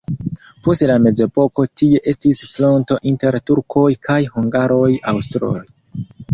Post la mezepoko tie estis fronto inter turkoj kaj hungaroj-aŭstroj.